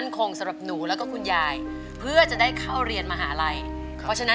น้องสู้นะลูกสู้